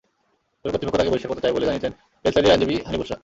তবে কর্তৃপক্ষ তাঁকে বহিষ্কার করতে চায় বলে জানিয়েছেন এলসাইদের আইনজীবী হানি বুশরা।